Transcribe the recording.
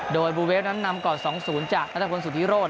โดยบูเวฟนั้นนำก่อน๒๐จากนัทพลสุธิโรธ